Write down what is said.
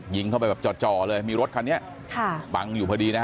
ยิงเข้าไปแบบจ่อเลยมีรถคันนี้ค่ะบังอยู่พอดีนะฮะ